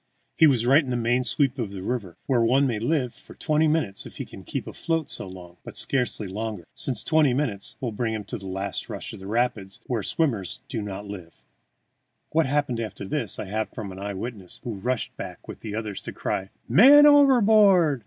He was right in the main sweep of the river, where one may live for twenty minutes if he can keep afloat so long, but scarcely longer, since twenty minutes will bring him to the last rush of rapids, where swimmers do not live. [Illustration: "MAN OVERBOARD!" AN INDIAN CANOE TO THE RESCUE.] What happened after this I have from an eye witness, who rushed back with others at the cry, "Man overboard!"